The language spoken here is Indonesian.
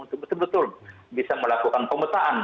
untuk betul betul bisa melakukan pemetaan